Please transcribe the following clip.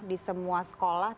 di semua sekolah